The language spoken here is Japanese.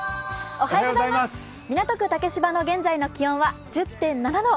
港区竹芝の現在の気温は１０．７度。